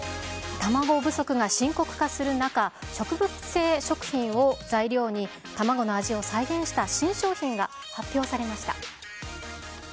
卵不足が深刻化する中、植物性食品を材料に、卵の味を再現した新商品が発表されました。